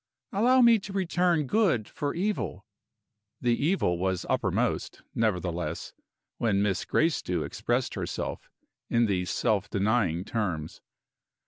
"Allow me to return good for evil." (The evil was uppermost, nevertheless, when Miss Gracedieu expressed herself in these self denying terms.)